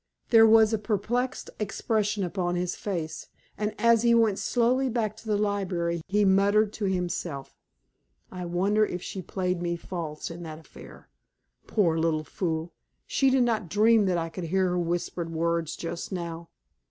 There was a perplexed expression upon his face, and as he went slowly back to the library he muttered to himself: "I wonder if she played me false in that affair? Poor little fool! She did not dream that I could hear her whispered words just now.